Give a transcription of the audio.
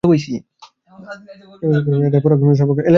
এটা পরাক্রমশালী, সর্বজ্ঞ আল্লাহর ব্যবস্থাপনা।